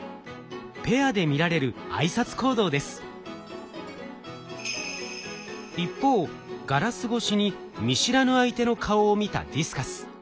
ペアで見られる一方ガラス越しに見知らぬ相手の顔を見たディスカス。